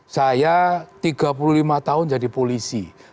saya tiga puluh lima tahun jadi polisi